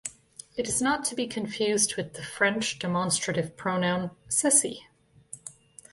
It is not to be confused with the French demonstrative pronoun "ceci".